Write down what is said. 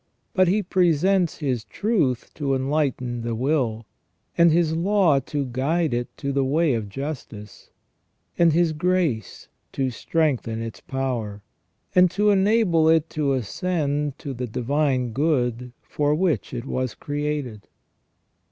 But He presents His truth to enlighten the will, and His law to guide it to the way of justice, and His grace to strengthen its power, and to enable it to ascend to the divine good for which it was created.